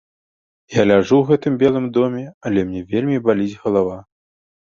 Я ляжу ў гэтым белым доме, але мне вельмі баліць галава.